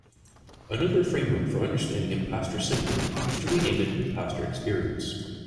Another framework for understanding impostor syndrome is to re-name it "impostor experience".